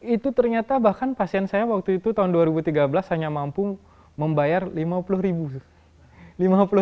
itu ternyata bahkan pasien saya waktu itu tahun dua ribu tiga belas hanya mampu membayar lima puluh ribu